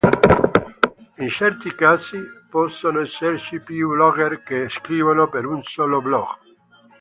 In certi casi possono esserci più blogger che scrivono per un solo blog.